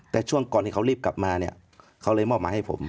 แต่ช่วงก่อนที่เขารีบกลับมาเนี่ยเขาเลยมอบมาให้ผม